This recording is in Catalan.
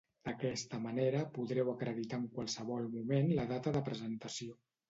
D'aquesta manera, podreu acreditar en qualsevol moment la data de presentació.